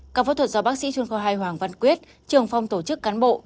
các phẫu thuật do bác sĩ chuyên khoa hai hoàng văn quyết trưởng phòng tổ chức cán bộ